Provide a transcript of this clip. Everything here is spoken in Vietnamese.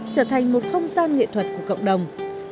trở thành một không gian nghệ thuật của cộng đồng